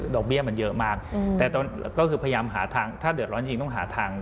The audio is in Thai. เบี้ยมันเยอะมากแต่ก็คือพยายามหาทางถ้าเดือดร้อนจริงต้องหาทาง